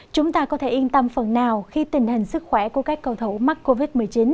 chúng ta có thể yên tâm phần nào khi tình hình sức khỏe của các cầu thủ mắc covid một mươi chín